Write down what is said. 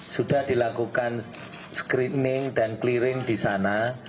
sudah dilakukan screening dan clearing di sana